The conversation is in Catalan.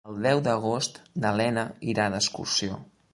El deu d'agost na Lena irà d'excursió.